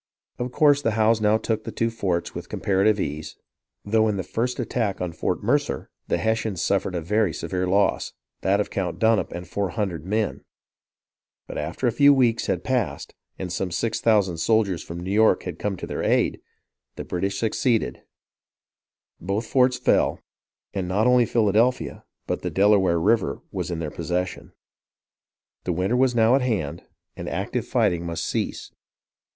Of course the Howes now took the two forts with com parative ease, though in the first attack on Fort Mercer the Hessians suffered a very severe loss, — that of Count Dunop and four hundred men ; but after a few weeks had passed, and some six thousand soldiers from New York had come to their aid, the British succeeded ; both forts fell, and not only Philadelphia, but the Delaware River was in their possession. The winter was now at hand, and active fighting must BRANDYWINE AND GERMANTOWX 219 cease.